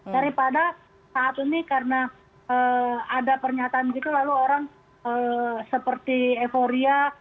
daripada saat ini karena ada pernyataan gitu lalu orang seperti euforia